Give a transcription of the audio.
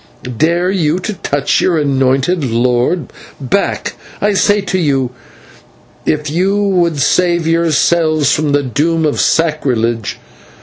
dare you to touch your anointed lord? Back, I say to you, if you would save yourselves from the doom of sacrilege.